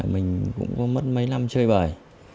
mình cũng có mất mấy năm chơi bời